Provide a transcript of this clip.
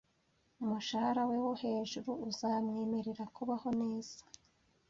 Umushahara we wo hejuru uzamwemerera kubaho neza.